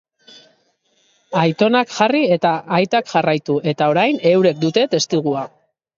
Aitonak jarri eta aitak jarraitu, eta orain eurek dute testigua.